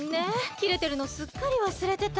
きれてるのすっかりわすれてた。